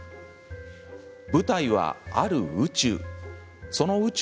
舞台はある宇宙。